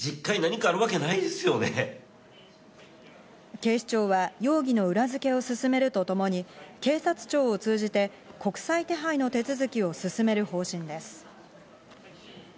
警視庁は容疑の裏付けを進めるとともに警察庁を通じて国際手配の手続きを進める方針です。